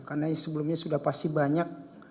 karena sebelumnya sudah pasti banyak